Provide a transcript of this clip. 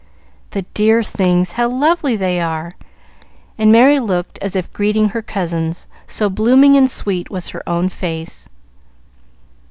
"The dear things, how lovely they are!" and Merry looked as if greeting her cousins, so blooming and sweet was her own face.